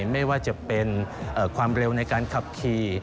ไม่ว่าจะเป็นความเร็วในการขับขี่